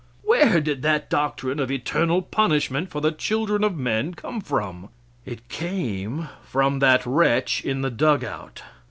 Where did that doctrine of eternal punishment for the children of men come from? It came from that wretch in the dug out.